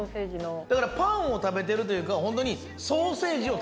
だからパンを食べてるというか本当に。